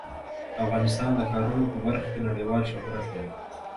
افغانستان د ښارونه په برخه کې نړیوال شهرت لري.